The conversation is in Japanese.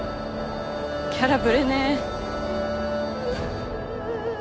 キャラぶれねー。